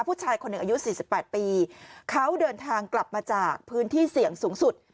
ผู้ชายคนหนึ่งอายุ๔๘ปีเขาเดินทางกลับมาจากพื้นที่เสี่ยงสูงสุด